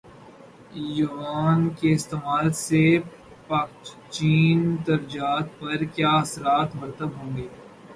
یوان کے استعمال سے پاکچین تجارت پر کیا اثرات مرتب ہوں گے